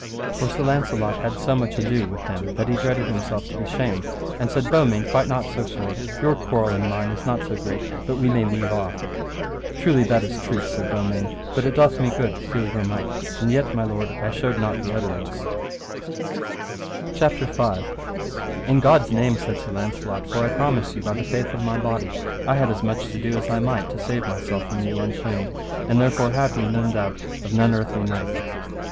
For Sir Launcelot had so much ado with him that he dreaded himself to be shamed, and said, Beaumains, fight not so sore, your quarrel and mine is not so great but we may leave off. Truly that is truth, said Beaumains, but it doth me good to feel your might, and yet, my lord, I showed not the utterance. CHAPTER V. How Beaumains told to Sir Launcelot his name, and how he was dubbed knight of Sir Launcelot, and after overtook the damosel. In God's name, said Sir Launcelot, for I promise you, by the faith of my body, I had as much to do as I might to save myself from you unshamed, and therefore have ye no doubt of none earthly knight.